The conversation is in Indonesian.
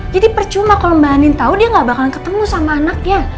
jadi percuma kalau mbak andin tahu dia gak bakalan ketemu sama anaknya